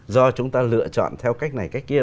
do chúng ta lựa chọn theo cách này cách kia